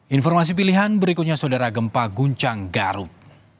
informasi pilihan berikutnya saudara gempa guncang garut